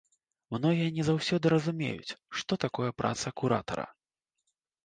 Многія не заўсёды разумеюць, што такое праца куратара.